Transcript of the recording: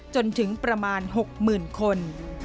จนถึงประมาณ๖หมื่นคน